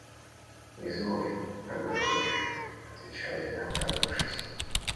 – Изволь; когда хочешь! – отвечал я, обрадовавшись.